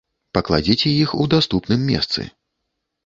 Пакладзіце іх у даступным месцы.